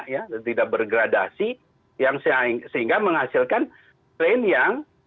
ya tidak bergradasi yang sehingga menghasilkan plan yang